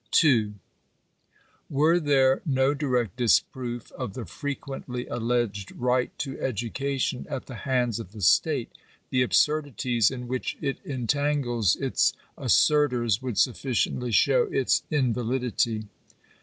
§2 Were there no direct disproof of the frequently alleged right to education at the hands of the state, the absurdities in which it entangles its assertore would sufficiently show its invalidity.